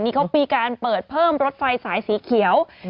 นี่เขามีการเปิดเพิ่มรถไฟสายสีเขียว